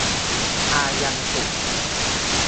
อายันตุ